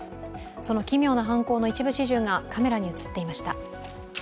その奇妙な犯行の一部始終がカメラに映っていました。